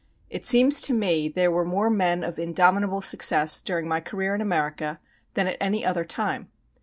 It seems to me there were more men of indomitable success during my career in America than at any other time.